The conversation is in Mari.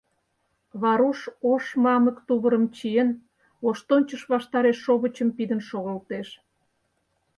Варуш ош мамык тувырым чиен, воштончыш ваштареш шовычым пидын шогылтеш.